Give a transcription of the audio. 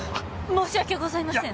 申し訳ございません！